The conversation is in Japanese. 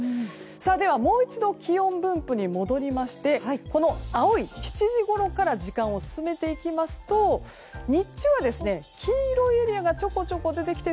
では、もう一度気温分布に戻りまして青い、７時ごろから時間を進めていきますと日中は黄色エリアがちょこちょこ出てきて